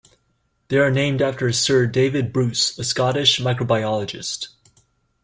They are named after Sir David Bruce, a Scottish microbiologist.